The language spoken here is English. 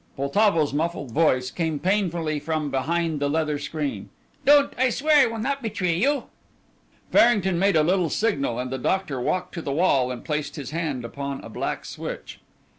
Poltavo's muffled voice came painfully from behind the leather screen. "Don't! I swear I will not betray you." Farrington made a little signal and the doctor walked to the wall and placed his hand upon a black switch.